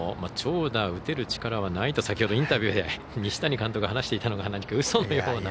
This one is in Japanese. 長打打てる力はないと先ほどインタビューで西谷監督が話していたのが何かうそのように。